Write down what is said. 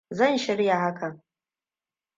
Zan shirya hakan.